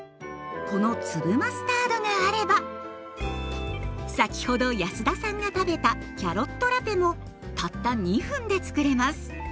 この粒マスタードがあれば先ほど安田さんが食べたキャロットラペもたった２分でつくれます。